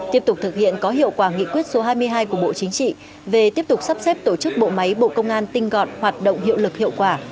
tiếp tục thực hiện có hiệu quả nghị quyết số hai mươi hai của bộ chính trị về tiếp tục sắp xếp tổ chức bộ máy bộ công an tinh gọn hoạt động hiệu lực hiệu quả